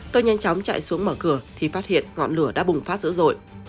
tôi nhanh chóng chạy xuống mở cửa thì phát hiện ngọn lửa đã bùng phát dữ dội